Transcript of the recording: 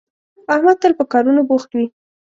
احمد تل په کارونو بوخت وي